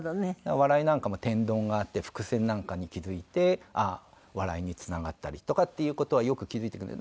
お笑いなんかも天丼があって伏線なんかに気付いて笑いにつながったりとかっていう事はよく気付いてくれる。